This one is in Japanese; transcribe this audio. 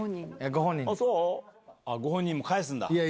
ご本人に返すんだ。